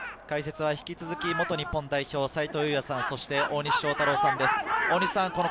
解説は引き続き元日本代表、齊藤祐也さん、そして大西将太郎さんです。